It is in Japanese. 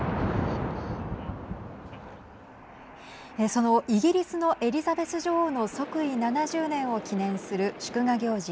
そのイギリスのエリザベス女王の即位７０年を記念する祝賀行事